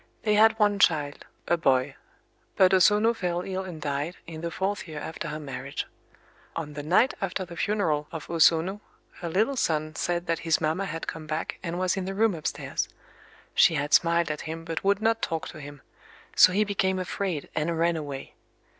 They had one child,—a boy. But O Sono fell ill and died, in the fourth year after her marriage. On the night after the funeral of O Sono, her little son said that his mamma had come back, and was in the room upstairs. She had smiled at him, but would not talk to him: so he became afraid, and ran away.